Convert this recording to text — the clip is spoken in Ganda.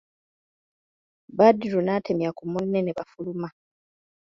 Badru n'atemya ku munne ne bafuluma.